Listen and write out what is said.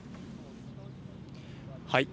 はい。